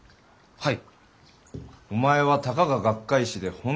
はい。